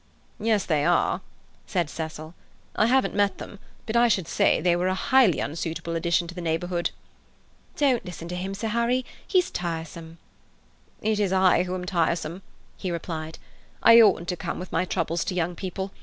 "Yes, they are," said Cecil. "I haven't met them but I should say they were a highly unsuitable addition to the neighbourhood." "Don't listen to him, Sir Harry—he's tiresome." "It's I who am tiresome," he replied. "I oughtn't to come with my troubles to young people.